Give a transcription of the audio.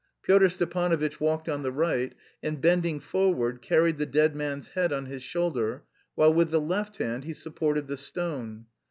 Pyotr Stepanovitch walked on the right and, bending forward, carried the dead man's head on his shoulder while with the left hand he supported the stone.